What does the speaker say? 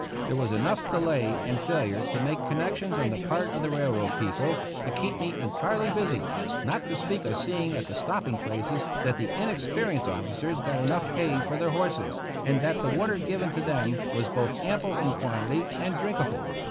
There was enough delay and failure to make connections on the part of the railroad people to keep me entirely busy, not to speak of seeing at the stopping places that the inexperienced officers got enough hay for their horses, and that the water 51 THE ROUGH RIDERS given to them was both ample in quantity and drinkable.